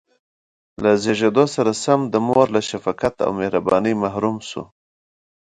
له زېږېدو سره سم د مور له شفقت او مهربانۍ محروم شو.